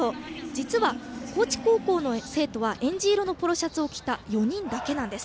実は高知高校の生徒はえんじ色のポロシャツを着た４人だけなんです。